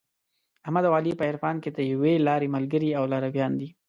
احمد او علي په عرفان کې د یوې لارې ملګري او لارویان دي.